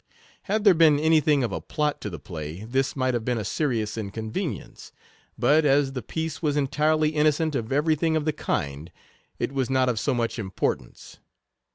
Had there been any thing of a plot to the play, this might have been a serious inconvenience; but, as the piece was entirely innocent of every thing of the kind, it was not of so much import ance.